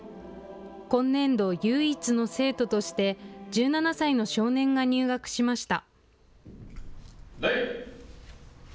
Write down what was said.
今年度、唯一の生徒として１７歳の少年が入学しました。